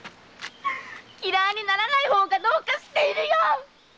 嫌いにならない方がどうかしているよ！